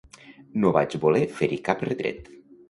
No vaig voler fer-hi cap retret.